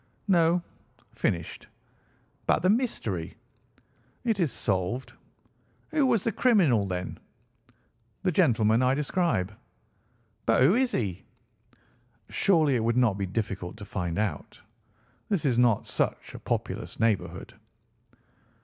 "No, finished." "But the mystery?" "It is solved." "Who was the criminal, then?" "The gentleman I describe." "But who is he?" "Surely it would not be difficult to find out. This is not such a populous neighbourhood."